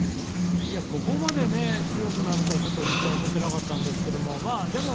ここまで強くなるとはちょっと、実は思ってなかったんですけれども。